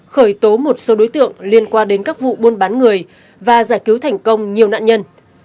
khởi tố một số đối tượng liên quan đến các vụ buôn bán người và giải cứu thành công nhiều nạn nhân